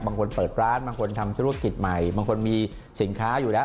บางคนเปิดร้านบางคนทำธุรกิจใหม่บางคนมีสินค้าอยู่แล้ว